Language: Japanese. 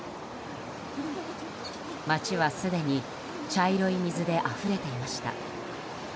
街はすでに茶色い水であふれていました。